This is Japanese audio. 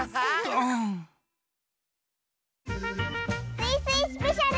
「スイスイスペシャル」！